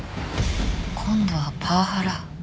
今度はパワハラ。